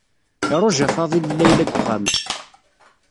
Iṛuja Faḍil Layla deg uxxam.